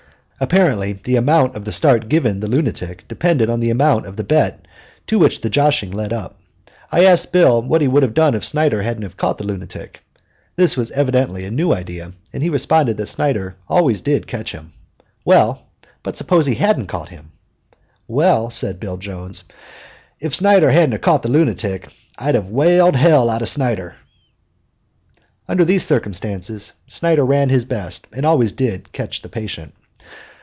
Apparently the amount of the start given the lunatic depended upon the amount of the bet to which the joshing led up. I asked Bill what he would have done if Snyder hadn't caught the lunatic. This was evidently a new idea, and he responded that Snyder always did catch him. "Well, but suppose he hadn't caught him?" "Well," said Bill Jones, "if Snyder hadn't caught the lunatic, I'd have whaled hell out of Snyder!" Under these circumstances Snyder ran his best and always did catch the patient.